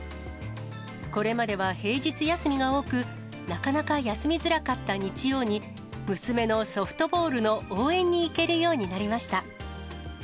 これまでは平日休みが多く、なかなか休みづらかった日曜に娘のソフトボールに応援に行けるようになりました。